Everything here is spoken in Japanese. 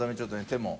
手も。